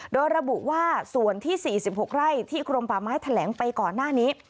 โดยระบุว่าส่วนที่๔๖ไร่ที่กรมป่าไม้แถลงไปก่อนหน้านี้